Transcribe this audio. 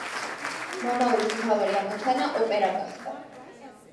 მომავლის მთავარი ამოცანა ოპერა გახდა.